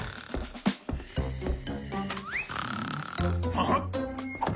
あっ！